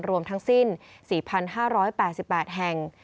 รวมทั้งสิ้น๔๕๘๘แห่ง